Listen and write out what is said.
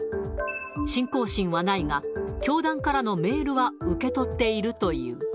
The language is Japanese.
信仰心はないが、教団からのメールは受け取っているという。